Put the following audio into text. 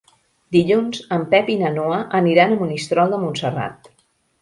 Dilluns en Pep i na Noa aniran a Monistrol de Montserrat.